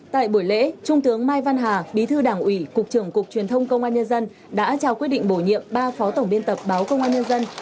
tại buổi lễ trung tướng mai văn hà bí thư đảng ủy cục trưởng cục truyền thông công an nhân dân đã trao quyết định bổ nhiệm ba phó tổng biên tập báo công an nhân dân